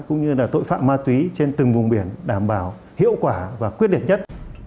cũng như là tội phạm ma túy trên từng vùng biển đảm bảo hiệu quả và quyết định nhất